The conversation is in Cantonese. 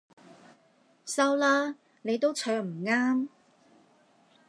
收啦，你都唱唔啱